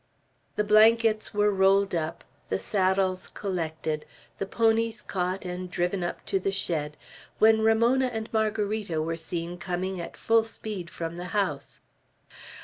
The blankets were rolled up, the saddles collected, the ponies caught and driven up to the shed, when Ramona and Margarita were seen coming at full speed from the house.